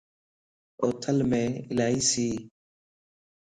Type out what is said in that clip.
اوٿلم الائي سيَ